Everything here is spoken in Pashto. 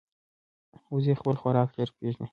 وزې خپل خوراک ژر پېژني